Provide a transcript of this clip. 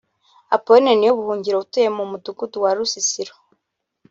Appauline Niyobuhungiro utuye mu Mudugudu wa Rusisiro